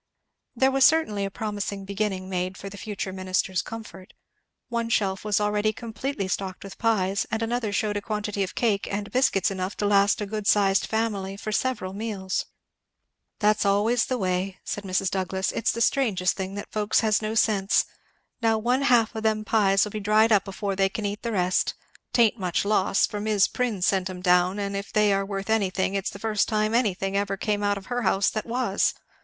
There was certainly a promising beginning made for the future minister's comfort. One shelf was already completely stocked with pies, and another shewed a quantity of cake, and biscuits enough to last a good sized family for several meals. "That is always the way," said Mrs. Douglass; "it's the strangest thing that folks has no sense! Now one half o' them pies'll be dried up afore they can eat the rest; 'tain't much loss, for Mis' Prin sent 'em down, and if they are worth anything it's the first time anything ever come out of her house that was.